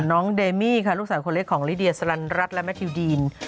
น้องเดมี่ค่ะลูกสาวคนเล็กของลิเดียสลันรัฐและแมททิวดีน